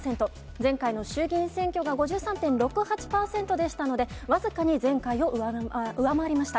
前回の衆議院選挙が５３．６８％でしたので、僅かに前回を上回りました。